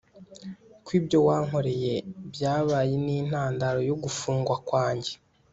ko ibyo wankoreye byabaye nintandaro yo gufungwa kwanjye